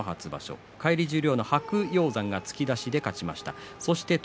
返り十両白鷹山突き出しで勝ちました。